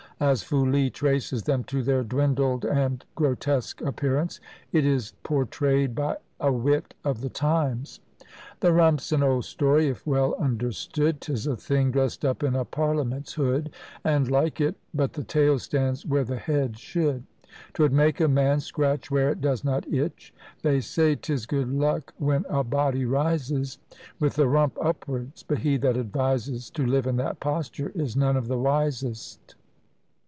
as Foulis traces them to their dwindled and grotesque appearance. It is pourtrayed by a wit of the times The Rump's an old story, if well understood, 'Tis a thing dress'd up in a parliament's hood, And like it but the tail stands where the head shou'd! 'Twould make a man scratch where it does not itch! They say 'tis good luck when a body rises With the rump upwards; but he that advises To live in that posture, is none of the wisest.